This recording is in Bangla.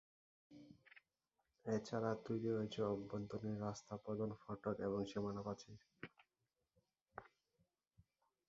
এছাড়া তৈরি হয়েছে অভ্যন্তরীণ রাস্তা, প্রধান ফটক এবং সীমানা প্রাচীর।